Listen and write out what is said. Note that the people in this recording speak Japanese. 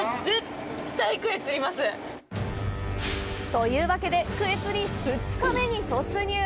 というわけで、クエ釣り２日目に突入！